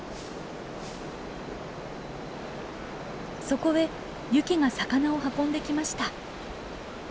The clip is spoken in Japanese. そこへユキが魚を運んできました。